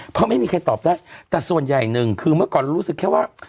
เพราะไม่มีใครตอบได้แต่ส่วนใหญ่หนึ่งคือเมื่อก่อนเรารู้สึกแค่ว่า